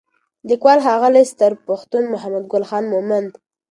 لیکوال: ښاغلی ستر پښتون محمدګل خان مومند